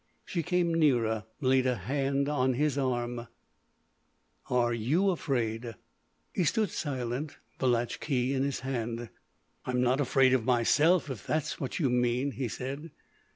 She came nearer, laid a hand on his arm: "Are you afraid?" He stood silent, the latch key in his hand. "I'm not afraid of myself—if that is what you mean," he said.